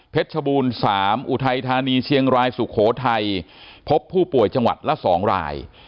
ชบูรณ์๓อุทัยธานีเชียงรายสุโขทัยพบผู้ป่วยจังหวัดละ๒ราย